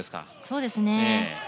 そうですね。